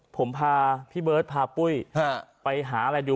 ผมพาพี่เบิร์ตพาปุ้ยไปหาอะไรดู